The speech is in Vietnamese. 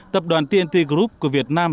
tập đoàn tnt group của việt nam